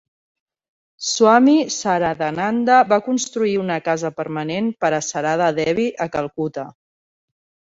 Swami Saradananda va construir una casa permanent per a Sarada Devi a Calcuta.